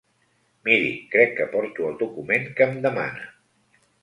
Miri, crec que porto el document que em demana.